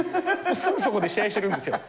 すぐそこで試合してるんですよ。